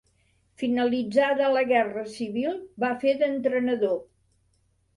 Finalitzada la Guerra Civil va fer d'entrenador.